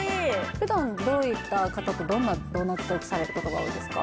普段どういった方とどんなドーナツトークされることが多いですか？